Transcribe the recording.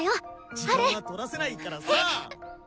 時間は取らせないからさ。